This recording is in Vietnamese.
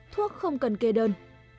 thuốc không cần kê đơn